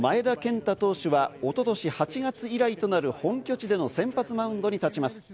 一方、ツインズの前田健太投手は、一昨年８月以来となる本拠地での先発マウンドに立ちます。